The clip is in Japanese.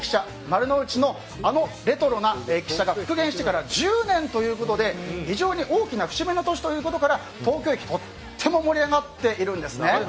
丸の内の、あのレトロな駅舎が復元してから１０年ということで、非常に大きな節目の年ということから東京駅とても盛り上がっているんです。